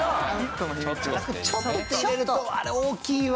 「ちょっと」って入れるとあれ大きいわ。